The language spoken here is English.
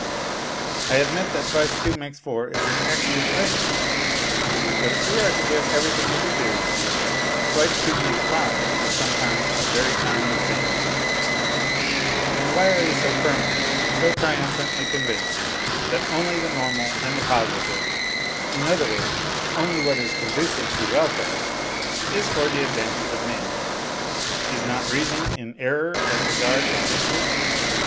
I admit that twice two makes four is an excellent thing, but if we are to give everything its due, twice two makes five is sometimes a very charming thing too. 76 NOTES FROM UNDERGROUND And why are you so firmly, so triumphantly, convinced that only the normal and the positive in other words, only what is conducive to welfare is for the advantage of man ? Is not reason in error as regards advantage